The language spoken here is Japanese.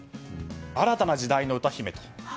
新たな時代の歌姫と。